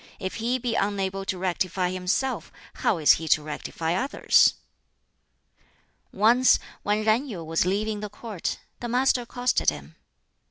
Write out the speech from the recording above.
If he be unable to rectify himself, how is he to rectify others?" Once when Yen Yu was leaving the Court, the Master accosted him.